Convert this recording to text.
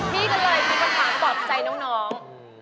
พี่ก็เลยมีคำถามปลอบใจน้อง